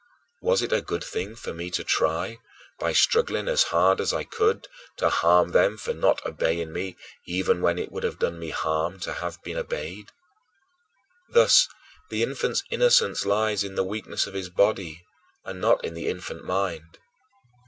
Was it a good thing for me to try, by struggling as hard as I could, to harm them for not obeying me, even when it would have done me harm to have been obeyed? Thus, the infant's innocence lies in the weakness of his body and not in the infant mind.